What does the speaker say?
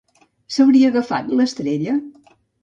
S'hauria agafat l'estrella?